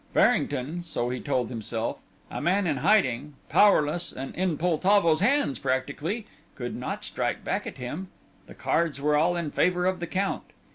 Farrington, so he told himself, a man in hiding, powerless and in Poltavo's hands practically, could not strike back at him; the cards were all in favour of the Count.